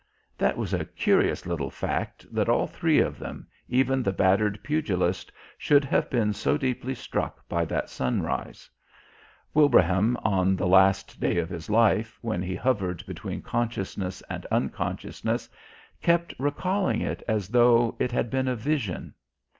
That was a curious little fact that all three of them, even the battered pugilist, should have been so deeply struck by that sunrise. Wilbraham on the last day of his life, when he hovered between consciousness and unconsciousness, kept recalling it as though it had been a vision.